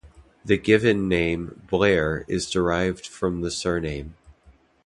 The given name "Blair" is derived from the surname.